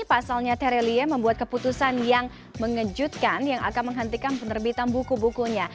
pasalnya tere lie membuat keputusan yang mengejutkan yang akan menghentikan penerbitan buku bukunya